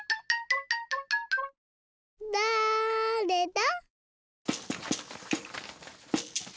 だれだ？